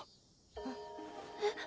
あっえっ？